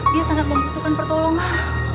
dia sangat membutuhkan pertolongan